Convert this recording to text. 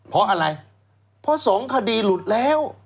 เพราะอะไรเพราะสองคดีหลุดแล้ว